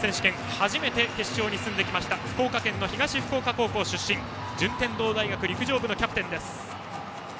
初めて決勝に進んできました福岡県の東福岡高国出身で順天堂大学陸上部キャプテンです。